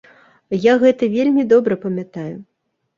Я гэта вельмі добра памятаю.